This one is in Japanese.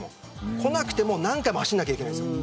こなくても何回も走らないといけないんです。